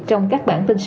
trong các bản tin sau